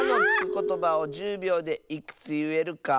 ことばを１０びょうでいくついえるか。